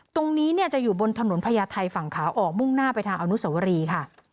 ตรงนี้เนี่ยจะอยู่บนถนนพญาไทยฝั่งขาออกมุ่งหน้าไปทางอนุสวรีค่ะ